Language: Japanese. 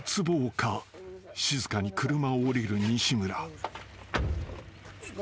［静かに車を降りる西村］